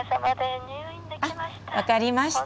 あっ分かりました。